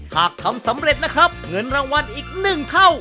หากทำสำเร็จนะครับเงินรางวัลอีก๑เท่า